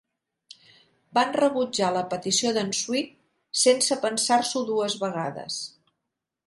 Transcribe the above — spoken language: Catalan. Van rebutjar la petició d"en Swig sense pensar-ho dues vegades.